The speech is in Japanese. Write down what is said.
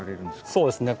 そうですね。